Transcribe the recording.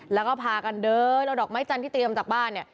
แล้วก็พากันเดินเอาดอกไม้จันทร์ที่เตรียมจากบ้านเนี่ย